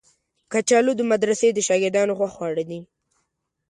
کچالو د مدرسې د شاګردانو خوښ خواړه دي